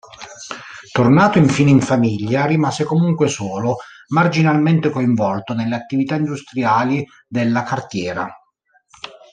Tornato infine in famiglia, rimase comunque solo marginalmente coinvolto nelle attività industriali della cartiera.